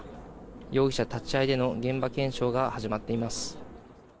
容疑者立ち会いでの現場検証が始まっています。